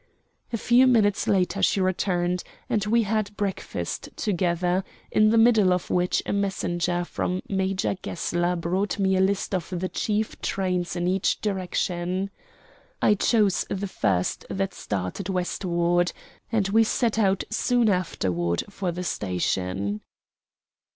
A few minutes later she returned, and we had breakfast together, in the middle of which a messenger from Major Gessler brought me a list of the chief trains in each direction. I chose the first that started westward; and we set out soon afterward for the station.